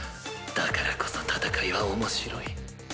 だからこそ戦いは面白い。